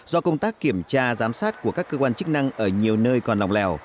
do công tác kiểm tra giám sát của các cơ quan chức năng ở nhiều nơi còn lòng lèo